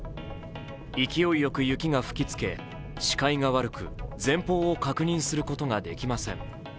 勢いよく雪が吹きつけ視界が悪く、前方を確認することができません。